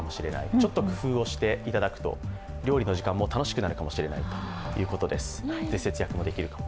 ちょっと工夫をしていただくと料理の時間も楽しくなるかもしれないということです、で、節約もできるかも。